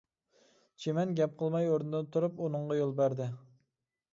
چىمەن گەپ قىلماي ئورنىدىن تۇرۇپ ئۇنىڭغا يول بەردى.